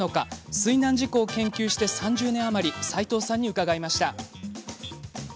水難事故を研究して３０年余り斎藤さんに伺いました。